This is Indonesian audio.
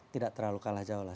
tidak terlalu kalah jauh lah